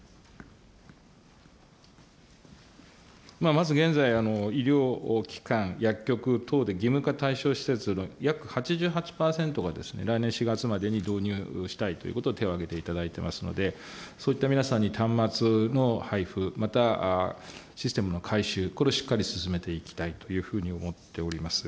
まず現在、医療機関、薬局等で義務化対象施設の約８８％がですね、来年４月までに導入をしたいということで、手を挙げていただいておりますので、そういった皆さんに端末の配付、またシステムの改修、これをしっかり進めていきたいというふうに思っております。